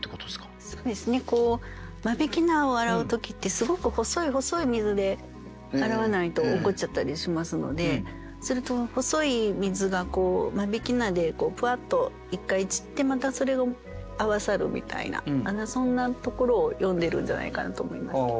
そうですね間引菜を洗う時ってすごく細い細い水で洗わないと落っこちちゃったりしますのですると細い水が間引菜でプワッと一回散ってまたそれが合わさるみたいなそんなところを詠んでるんじゃないかなと思いますけど。